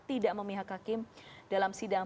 tidak memihak hakim dalam sidang